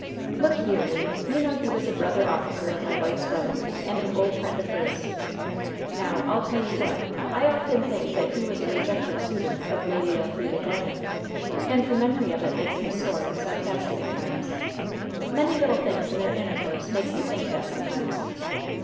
"Look here, Le. You know he was a brother officer of my wife's brother, and an old friend of hers. Now, I'll tell you what, I often think that he was a rejected suitor of Lady Elfrida Glennon. And the memory of it makes him sore and sarcastic at times. Many little things in their intercourse makes me think that sometimes.